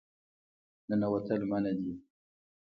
ننوتل منع دي